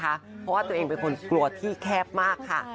เพราะว่าตัวเองเป็นคนกลัวที่แคบมากค่ะ